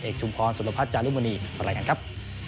เอกชุมพรสุรพัชย์จารุมณีบรรยากันครับ